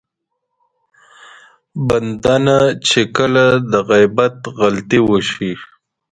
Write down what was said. بنده نه چې کله د غيبت غلطي وشي.